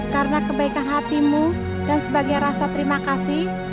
karena kebaikan hatimu dan sebagai rasa terima kasih